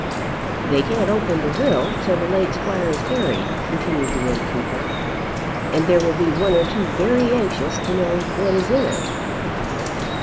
"They can't open the will till the late squire is buried," continued the innkeeper, "and there will be one or two very anxious to know what is in it."